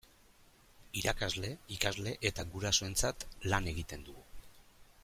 Irakasle, ikasle eta gurasoentzat lan egiten dugu.